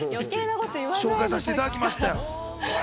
なので紹介させていただきました。